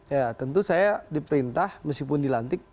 ya tentu saya diperintah meskipun dilantik